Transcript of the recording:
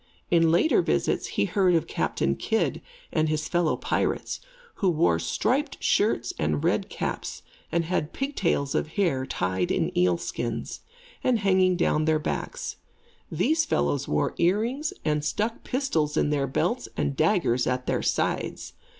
In later visits he heard of Captain Kidd and his fellow pirates, who wore striped shirts and red caps, and had pigtails of hair, tied in eel skins, and hanging down their backs. These fellows wore earrings and stuck pistols in their belts and daggers at their sides.